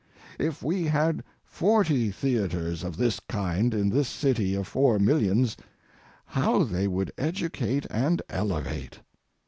If we had forty theatres of this kind in this city of four millions, how they would educate and elevate!